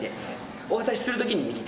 お渡しする時に右手。